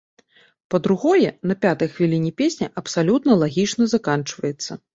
Па-другое, на пятай хвіліне песня абсалютна лагічна заканчваецца.